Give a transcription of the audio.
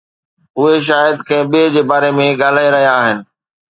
اهي شايد ڪنهن ٻئي جي باري ۾ ڳالهائي رهيا آهن.